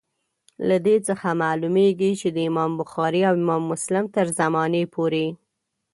له دې څخه معلومیږي چي د امام بخاري او امام مسلم تر زمانې پوري.